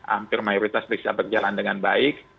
hampir mayoritas bisa berjalan dengan baik